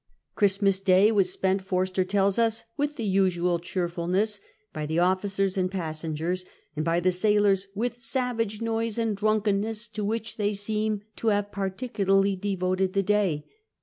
Christmas Day was spent, Forster tells us, with thg usual cheerfulness by the officers and passengers, and by the sailors "with savage noise and drunkenness, to which they seem to have particularly devoted the day."